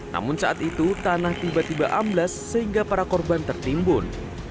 namun saat itu tanah tiba tiba amblas sehingga para korban tertimbun